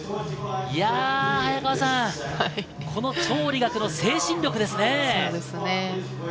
早川さん、このチョウ・リガクの精神力ですね。